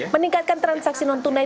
meningkatkan transaksi non tunai